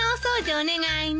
お願いね。